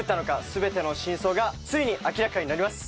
全ての真相がついに明らかになります。